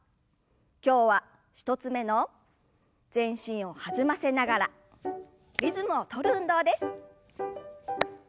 今日は１つ目の全身を弾ませながらリズムを取る運動です。